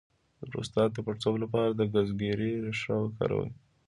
د پروستات د پړسوب لپاره د ګزګیرې ریښه وکاروئ